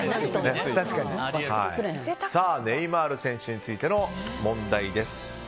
ネイマール選手についての問題です。